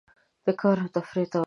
د کار او تفریح توازن ساتل مهم دي.